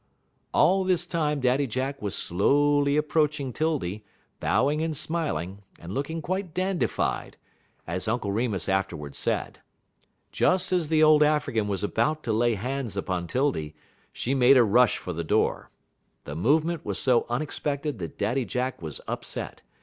All this time Daddy Jack was slowly approaching 'Tildy, bowing and smiling, and looking quite dandified, as Uncle Remus afterward said. Just as the old African was about to lay hands upon 'Tildy, she made a rush for the door. The movement was so unexpected that Daddy Jack was upset.